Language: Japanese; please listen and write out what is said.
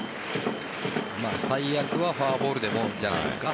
最悪はフォアボールでもじゃないですか。